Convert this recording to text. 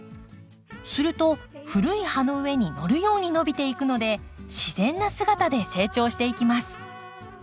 すると古い葉の上にのるように伸びていくので自然な姿で成長していきます。